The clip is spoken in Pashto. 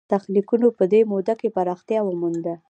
تخنیکونو په دې موده کې پراختیا ومونده.